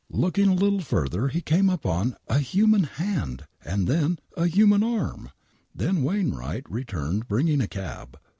Looking a little further he came upon — a human hand and Ihen a human arm !!! Then Wainwright returned, bringing a cab.